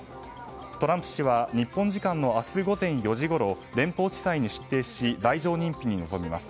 トランプ氏は日本時間の明日午前４時ごろ連邦地裁に出廷し罪状認否に臨みます。